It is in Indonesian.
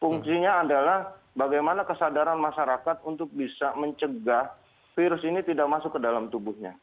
fungsinya adalah bagaimana kesadaran masyarakat untuk bisa mencegah virus ini tidak masuk ke dalam tubuhnya